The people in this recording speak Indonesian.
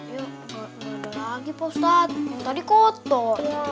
ya udah lagi ustadz yang tadi kotor